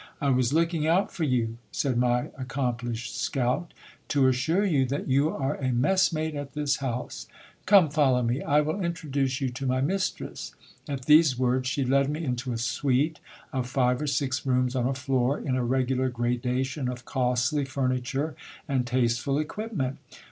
I was looking out for you, said my accomplished scout, to assure you that you are a messmate at this house. Come, follow me ; I will introduce you to my mistress. At these words, she led me into a suite of five or six rooms on a floor, in a regular gradation of costly fur niture and tasteful equipment.